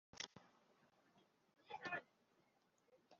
ku kirwa: ni ku kirwa kitwa murwa kiri mu kivu hakurya ya